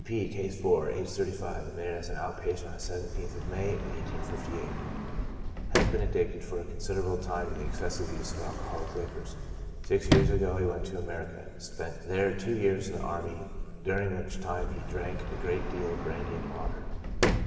G. P —, (Case 4,) aged 35, admitted as an out patient on the 17th of May, 1858. Has been addicted for a considerable time to the exces sive use of alcoholic liquors. Six years ago he went to America, and spent there two years in the army, during which time he drank a great deal of brandy and water.